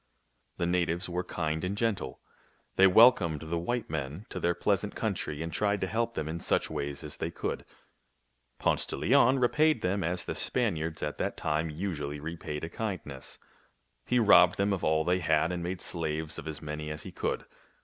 The natives were kind and gentle. They wel comed the white men to their pleasant country and tried to help them in such ways as they could. Ponce de Leon repaid them as the Span iards at that time usually repaid a kindness, — he robbed them of all they had and made slaves of as many as he could.